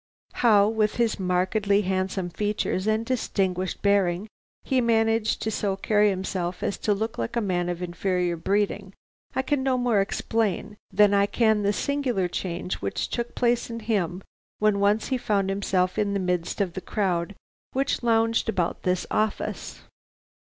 How with his markedly handsome features and distinguished bearing he managed so to carry himself as to look like a man of inferior breeding, I can no more explain than I can the singular change which took place in him when once he found himself in the midst of the crowd which lounged about this office.